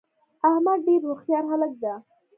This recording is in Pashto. احمدډیرهوښیارهلک ده